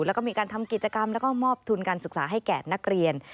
แล้วก็มีการทำกิจกรรมแล้วก็มอบทุนการศึกษาให้แก่นักเรียน